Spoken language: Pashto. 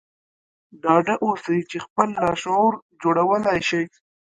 ډاډه اوسئ چې خپل لاشعور جوړولای شئ